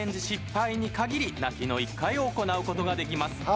失敗に限り泣きの１回を行う事ができます。